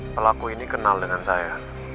pelaku ini kenal dengan saya